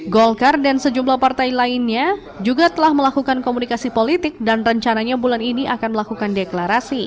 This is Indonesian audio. golkar dan sejumlah partai lainnya juga telah melakukan komunikasi politik dan rencananya bulan ini akan melakukan deklarasi